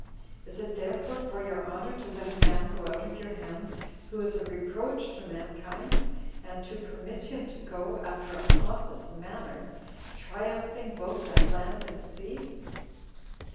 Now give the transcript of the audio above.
Is it therefore for your honor to let a man go out of your hands who is a reproach to mankind, and to permit him to go, after a pompous manner, triumphing both at land and sea?